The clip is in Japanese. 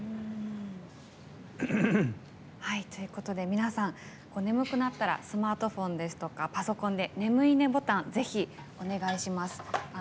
皆さん、眠くなったらスマートフォンですとかパソコンで眠いいねボタンぜひお願いします。